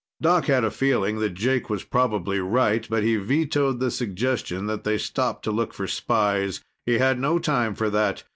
Doc had a feeling that Jake was probably right, but he vetoed the suggestion that they stop to look for spies. He had no time for that.